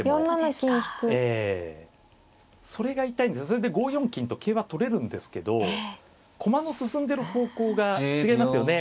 それで５四金と桂は取れるんですけど駒の進んでる方向が違いますよね。